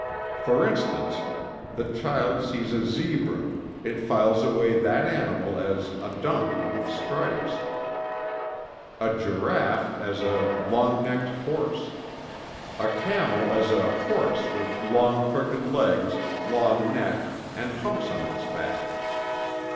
For instance, the child sees a zebra, it files away that animal as "a donkey with stripes;" a giraffe as a "long necked horse;" a camel as a "horse with long, crooked legs, long neck and humps on its back."